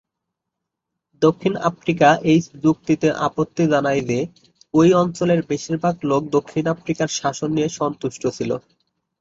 দক্ষিণ আফ্রিকা এই যুক্তিতে আপত্তি জানায় যে ঐ অঞ্চলের বেশিরভাগ লোক দক্ষিণ আফ্রিকার শাসন নিয়ে সন্তুষ্ট ছিল।